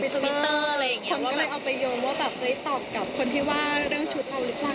มีทวิตเตอร์อะไรอย่างเงี้ยมันก็เลยเอาไปโยมว่าแบบได้ตอบกับคนที่ว่าเรื่องชุดเราหรือเปล่า